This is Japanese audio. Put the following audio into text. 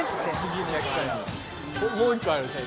もう１個ある。